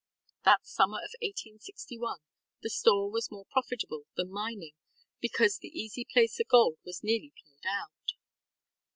That summer of 1861 the store was more profitable than mining because the easy placer gold was nearly played out.